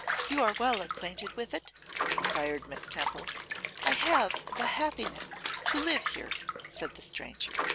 'You are well acquainted with it?' enquired Miss Temple. 'I have the happiness to live here,' said the stranger.